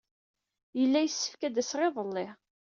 Yella yessefk ad d-aseɣ iḍelli.